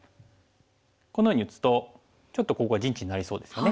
このように打つとちょっとここが陣地になりそうですよね。